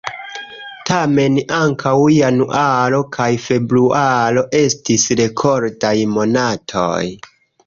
Tamen, ankaŭ januaro kaj februaro estis rekordaj monatoj.